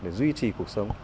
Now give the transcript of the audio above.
để duy trì cuộc sống